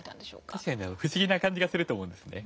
確かに不思議な感じがすると思うんですね。